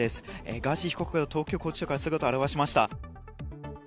ガーシー被告が東京拘置所から姿を現しました。